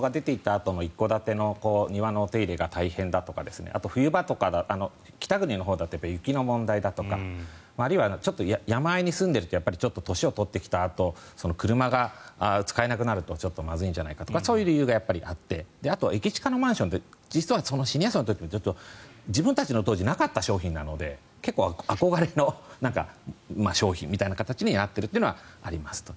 あとの一戸建ての庭のお手入れが大変だとかあと冬場とか北国のほうだと雪の問題だとかあるいはちょっと山あいに住んでいると年を取ってきた時に車が使えなくなるとちょっとまずいんじゃないかとかそういう理由があってあと駅近のマンションって実はシニア層にとって自分たちの時になかったので結構憧れの商品みたいな形になっているのはありますと。